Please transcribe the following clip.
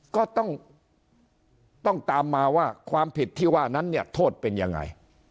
ก็ต้องตามมาว่าความผิดที่ว่านั้นเนี่ยโทษเป็นยังไง